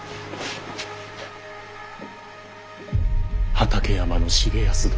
畠山重保殿。